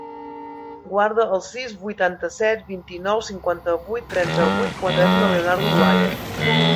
Guarda el sis, vuitanta-set, vint-i-nou, cinquanta-vuit, trenta-vuit com a telèfon del Leonardo Olaya.